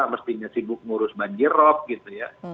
mestinya sibuk mengurus banjir rob gitu ya